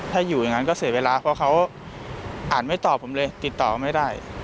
ถ้าอยู่อย่างนั้นก็เสียเวลาเพราะเขาอ่านไม่ตอบผมเลยติดต่อไม่ได้